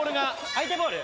相手ボール？